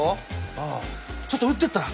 うんちょっと打ってったら。